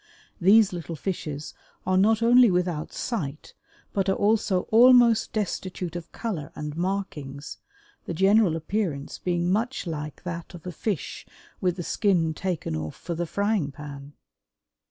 These little fishes are not only without sight but are also almost destitute of color and markings, the general appearance being much like that of a fish with the skin taken off for the frying pan.